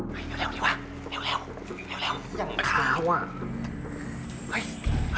เฮ้ยเร็วดีวะ